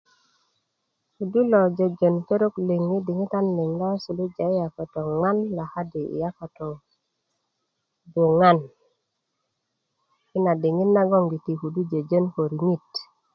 kudu lo jöjön perok liŋ yi diŋitan liŋ lo suluja yi yapa to iŋman lakadi i yapa to buŋan yina a diŋit nagoŋ kudu jäjän ko riŋit